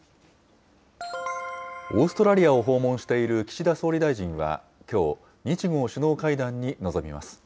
オーストラリアを訪問している岸田総理大臣は、きょう、日豪首脳会談に臨みます。